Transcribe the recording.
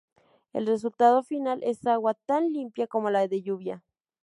El resultado final es agua tan limpia como la de lluvia.